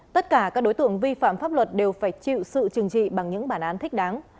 tất cả các đối tượng vi phạm pháp luật đều phải chịu sự trừng trị bằng những bản án thích đáng